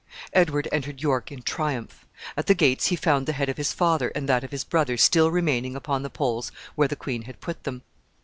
Edward entered York in triumph. At the gates he found the head of his father and that of his brother still remaining upon the poles where the queen had put them.